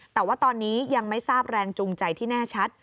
แต่ว่าตอนนี้ยังไม่ทราบแรงจูงใจที่แน่ชัด